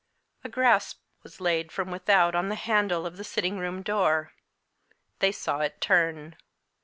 A grasp was laid from without on the handle of the sitting room door. They saw it turn.